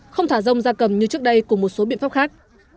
không thả rông gia cầm như trước đây cùng một số biện pháp khác